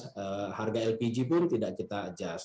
harga lpg pun tidak kita adjust